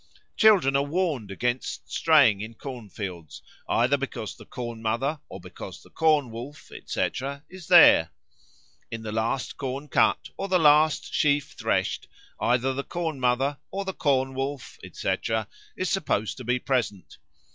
Children are warned against straying in corn fields either because the Corn mother or because the Corn wolf, etc., is there. In the last corn cut or the last sheaf threshed either the Corn mother or the Corn wolf, etc., is supposed to be present.